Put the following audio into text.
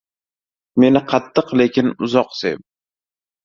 • Meni qattiq, lekin uzoq sev.